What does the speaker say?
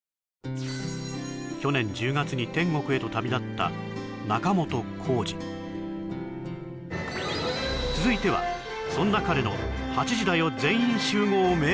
去年１０月に天国へと旅立った仲本工事続いてはそんな彼の火事だ！